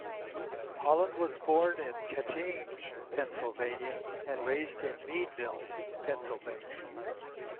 Holland was born in Kittanning, Pennsylvania and raised in Meadville, Pennsylvania.